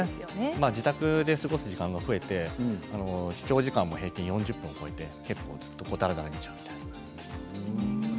自宅で過ごす時間が増えて視聴時間も平均４０分を超えてだらだら見ちゃうみたいなのもあります。